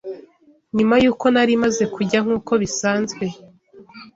nyuma y’uko nari maze kujya nk’uko bisanzwe